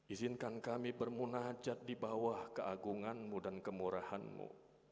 izinkan kami bermunajat di bawah keagunganmu dan kemurahanmu